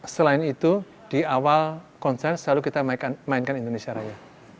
selain itu di awal konser selalu kita mainkan indonesia raya